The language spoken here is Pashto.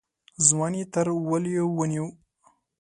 ځوان يې تر وليو ونيو.